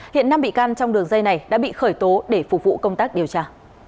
hiện năm bị can trong đường dây này đã bị khởi tố để phục vụ công tác điều tra